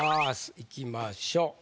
いきましょう。